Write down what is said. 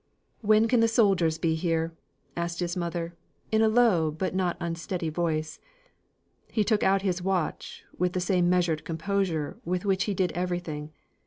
"When can the soldiers be here?" asked his mother, in a low but not unsteady voice. He took out his watch with the same steady composure with which he did everything.